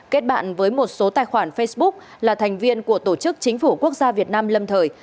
kết bạn với một số tài khoản facebook là thành viên của tổ chức chính phủ quốc gia việt nam lâm thời